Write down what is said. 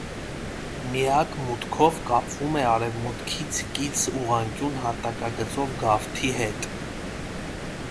Միակ մուտքով կապվում է արևմուտքից կից ուղղանկյուն հատակագծով գավթի հետ։